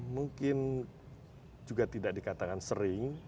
mungkin juga tidak dikatakan sering